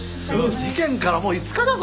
事件からもう５日だぞ！